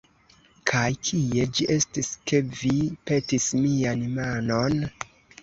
Kaj kie ĝi estis, ke vi petis mian manon?